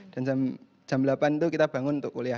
dan jam delapan itu kita bangun untuk kuliah